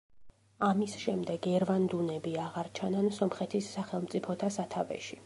ამის შემდეგ ერვანდუნები აღარ ჩანან სომხეთის სახელმწიფოთა სათავეში.